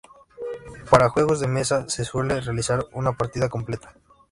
Para juegos de mesa se suele realizar una partida completa.